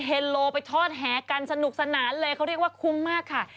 เฮโลไปทอดแหกันสนุกสนานเลยเขาเรียกว่าคุ้มมากค่ะ